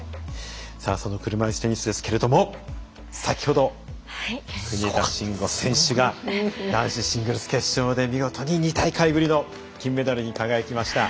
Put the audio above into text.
その車いすテニスですけれども先ほど国枝慎吾選手が男子シングルス決勝で見事に２大会ぶりの金メダルに輝きました。